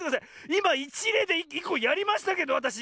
いまいちれいでいっこやりましたけどわたし。